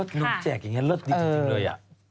รถน้องแจกอย่างนี้รถดีจริงเลย